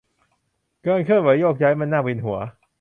การเคลื่อนไหวโยกย้ายมันน่าเวียนหัว